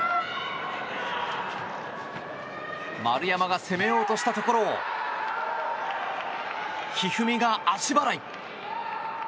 丸山が攻めようとしたところを一二三が足払い。